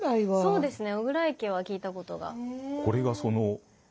そうですね。